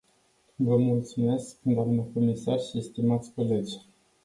Vă mulțumesc, doamnă comisar și stimați colegi.